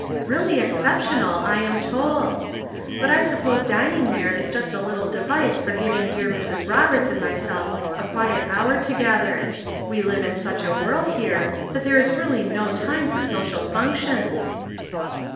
Really exceptional I am told; hut I suppose dining there is just a little device for giving dear Mrs, Roberts and myself a quiet hour together; wo live in such a whirl here that there is really no time for social functions."